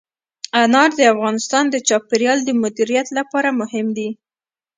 انار د افغانستان د چاپیریال د مدیریت لپاره مهم دي.